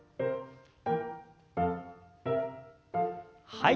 はい。